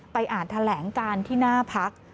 อ่านแถลงการที่หน้าพัก